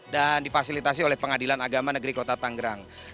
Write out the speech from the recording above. dan difasilitasi oleh pengadilan agama negeri kota tangerang